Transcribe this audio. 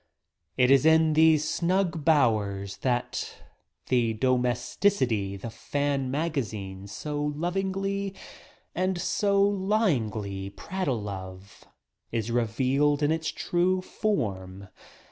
■"■■..■ It is in these snug bowers that the "domesticity" the fan magazines so lovingly and so lyingly prattle of is revealed in its true form.